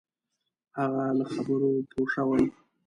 هغه له خبرو پوه شوی.